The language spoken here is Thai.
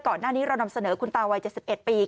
ก่อนหน้านี้เรานำเสนอคุณตาวัย๗๑ปี